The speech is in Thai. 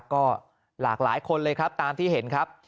ก็หลากหลายคนเลยครับตามที่เห็นครับ